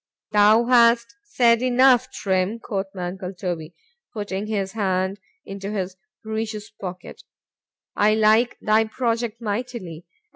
Thou hast said enough, Trim,—quoth my uncle Toby (putting his hand into his breeches pocket)——I like thy project mightily.